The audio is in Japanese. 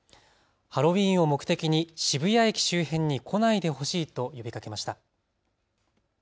ハロウィーンを目的に渋谷駅周辺に来ないでほしいと呼びかけました。